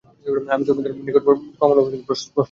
আমি তোমাদের নিকট উপস্থিত করছি স্পষ্ট প্রমাণ।